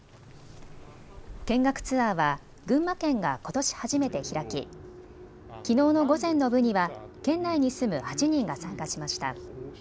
見学ツアーは群馬県がことし初めて開ききのうの午前の部には県内に住む８人が参加しました。